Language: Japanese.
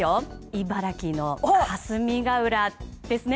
茨城の霞ケ浦ですね。